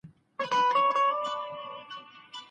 که میلمانه راسي، موږ به د اوږده اتڼ لپاره ډوډۍ راوړو.